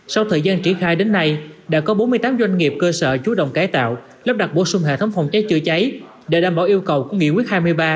sau thời gian triển khai đến nay đã có bốn mươi tám doanh nghiệp cơ sở chú động cải tạo lắp đặt bổ sung hệ thống phòng cháy chữa cháy để đảm bảo yêu cầu của nghị quyết hai mươi ba